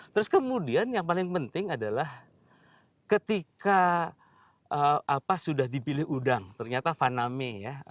terus kemudian yang paling penting adalah ketika sudah dipilih udang ternyata faname ya